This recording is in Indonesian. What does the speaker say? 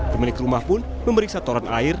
pemilik rumah pun memeriksa toran air